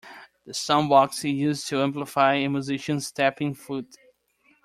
The stompbox is used to amplify a musician's tapping foot.